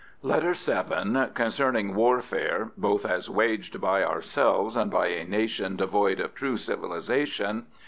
LETTER VII Concerning warfare, both as waged by ourselves and by a nation devoid of true civilisation.